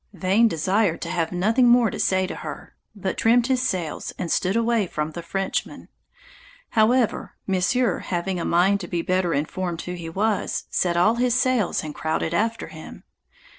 Vane desired to have nothing more to say to her, but trimmed his sails, and stood away from the Frenchman; however, Monsieur having a mind to be better informed who he was, set all his sails and crowded after him.